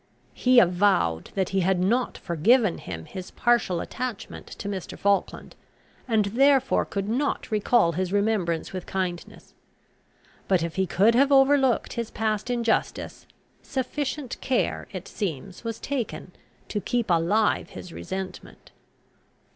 He avowed that he had not forgiven him his partial attachment to Mr. Falkland, and therefore could not recall his remembrance with kindness. But if he could have overlooked his past injustice, sufficient care, it seems, was taken to keep alive his resentment.